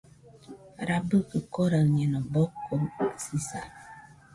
Rabɨkɨ koraɨñeno, bokoɨsisa.